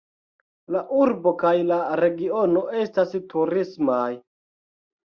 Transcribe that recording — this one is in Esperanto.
La urbo kaj la regiono estas turismaj.